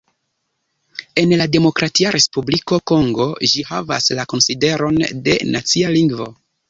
En la Demokratia Respubliko Kongo ĝi havas la konsideron de "nacia lingvo".